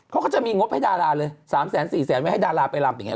เขาก็จะมีงบให้ดาราเลย๓แสนสี่แสนไว้ให้ดาราไปรำอย่างนี้